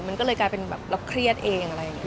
มันก็เลยกลายเป็นแบบเราเครียดเองอะไรอย่างนี้